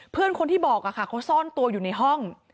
เพื่อนคนที่บอกเขาซ่อนตัวอยู่ในห้อง